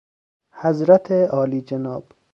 حضرت عالیجناب